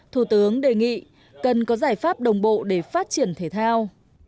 thủ tướng đề nghị cần có giải pháp đồng bộ để phát triển thể thao